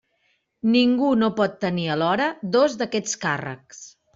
Ningú no pot tenir alhora dos d'aquests càrrecs.